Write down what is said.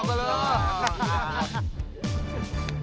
aduh apaan sih